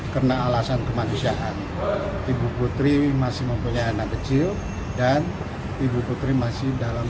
karena alasan kemanusiaan ibu putri masih mempunyai anak kecil dan ibu putri masih dalam